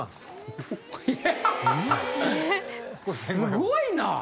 すごいな！